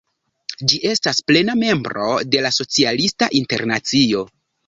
Ĝi estas plena membro de la Socialista Internacio.